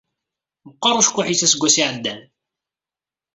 Meqqer ucekkuḥ-is aseggas iɛeddan.